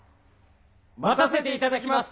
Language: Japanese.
待たせていただきます！